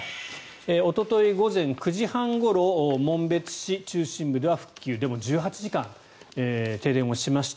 おととい午前９時半ごろ紋別市中心部では復旧でも１８時間停電をしました。